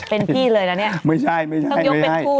เป็นพี่เลยนะเนี่ย